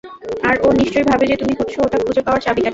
আর ও নিশ্চয় ভাবে যে তুমি হচ্ছ ওটা খুঁজে পাওয়ার চাবিকাঠি।